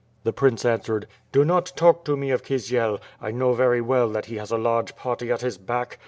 The Prince answered: "Do not talk to me of Kisiel. I know very well that he has a large party at his back.